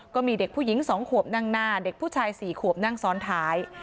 ก็มีเด็กผู้หญิง๒ขวบนั่งหน้าเด็กผู้ชาย๔ขวบนั่งซ้อนท้าย